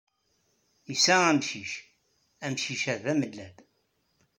Hesɛa amcic. Amcic-a d amellal.